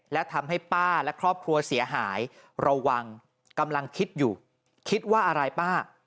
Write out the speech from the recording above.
และทำให้ป้าและครอบครัวเสียหายระวังกำลังคิดอยู่คิดว่าอะไรป้า